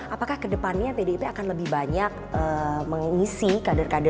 apakah kedepannya pdip akan lebih banyak mengisi kader kader